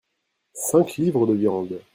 Cinq livres de viandes.